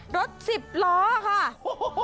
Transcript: รถสิบล้อค่ะ